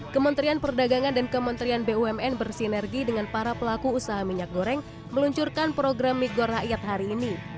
kementerian perdagangan dan kementerian bumn bersinergi dengan para pelaku usaha minyak goreng meluncurkan program migo rakyat hari ini